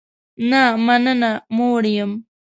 نه مننه، موړ یم